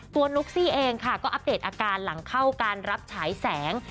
นุ๊กซี่เองค่ะก็อัปเดตอาการหลังเข้าการรับฉายแสง